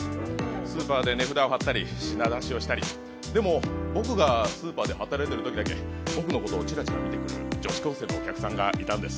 スーパーで値札を貼ったり品出しをしたりでも、僕がスーパーで働いてるときだけ僕のことをチラチラ見てくる女子高生のお客さんがいたんです。